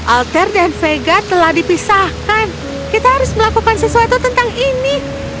alter dan vega telah dipisahkan kita harus melakukan sesuatu tentang ini